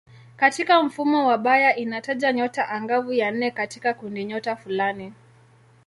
Katika mfumo wa Bayer inataja nyota angavu ya nne katika kundinyota fulani.